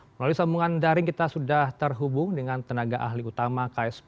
melalui sambungan daring kita sudah terhubung dengan tenaga ahli utama ksp